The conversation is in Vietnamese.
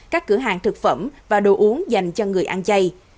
các cửa hàng thực phẩm và đồ uống dành cho người ăn chay